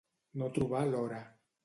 No trobar l'hora.